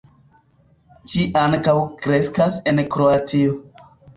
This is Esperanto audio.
Ĝi ankaŭ kreskas en Kroatio.